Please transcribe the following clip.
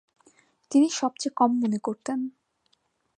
তিনি সবচেয়ে কম মনে করতেন।